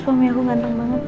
suami aku g renew banget mah